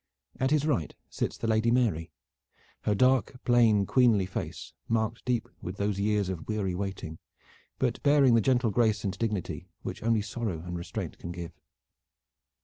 At his right sits the Lady Mary, her dark, plain, queenly face marked deep with those years of weary waiting, but bearing the gentle grace and dignity which only sorrow and restraint can give.